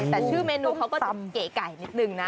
แต่ชื่อเมนูเขาก็จะเก๋ไก่นิดนึงนะ